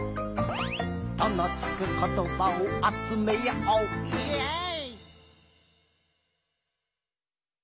「『と』のつくことばをあつめよう」イエイ！